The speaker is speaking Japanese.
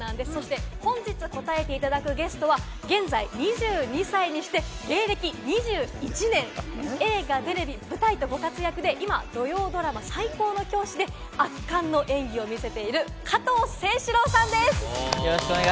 そして本日答えていただくゲストは、現在２２歳にして芸歴２１年、映画・テレビ・舞台とご活躍で、今、土曜ドラマ『最高の教師』で圧巻の演技を見せている加藤清史郎さんです。